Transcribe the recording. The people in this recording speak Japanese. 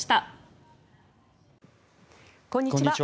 こんにちは。